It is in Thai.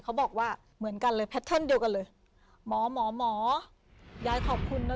เขาบอกว่าเหมือนกันเลยแพทเทิร์นเดียวกันเลยหมอหมอยายขอบคุณนะ